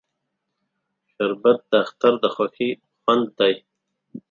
شربت د اختر د خوښۍ خوند دی